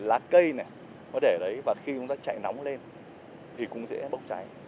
lá cây này nó để đấy và khi chúng ta chạy nóng lên thì cũng dễ bốc cháy